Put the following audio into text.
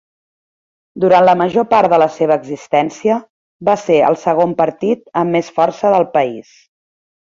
Durant la major part de la seva existència, va ser el segon partit amb més força del país.